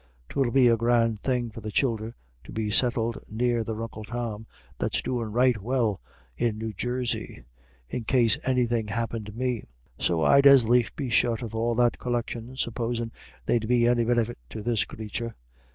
'Twill be a grand thing for the childer to be settled near their uncle Tom, that's doin' right well in New Jersey, in case anythin' happint me. So I'd as lief be shut of all that collection, supposin' they'd be any benefit to this crathur."